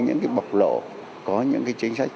những cái bọc lộ có những cái chính sách